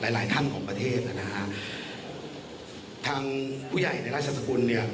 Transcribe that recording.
หลายหลายท่านของประเทศอ่ะนะฮะทางผู้ใหญ่ในราชสกุลเนี่ย